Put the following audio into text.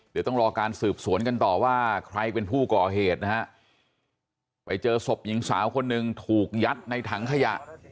เดี๋ยวต้องรอการสืบสวนกันต่อว่าใครเป็นผู้ก่อเหตุนะฮะไปเจอศพหญิงสาวคนหนึ่งถูกยัดในถังขยะ